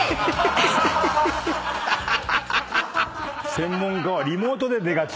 専門家はリモートで出がち。